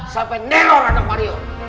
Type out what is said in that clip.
sampai neror anak mario